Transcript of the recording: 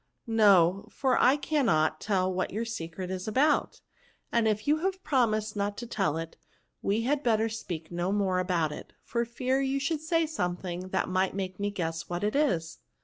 " No ; for I cannot tell what your secret is about ; and if you have promised not to tell it, we had better speak no more about it, for fear you should say something that might make me guess what it is."